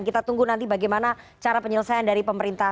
kita tunggu nanti bagaimana cara penyelesaian dari pemerintah